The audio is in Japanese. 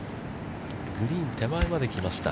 グリーン手前まで来ました。